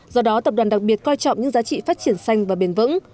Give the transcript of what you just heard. do đó tập đoàn đặc biệt coi trọng những giá trị phát triển xanh và bền vững